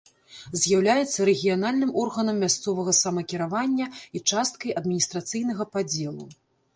З'яўляецца рэгіянальным органам мясцовага самакіравання і часткай адміністрацыйнага падзелу.